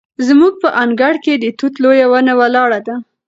زموږ په انګړ کې د توت لویه ونه ولاړه ده.